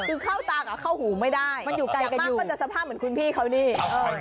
เออมันอยู่ไกลกันอยู่อย่างมากก็จะสภาพเหมือนคุณพี่เขานี่มันอยู่ใกล้กันอยู่